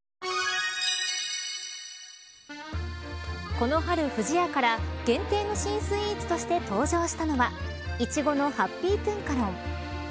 この春、不二家から限定の新スイーツとして登場したのは苺のハッピートゥンカロン。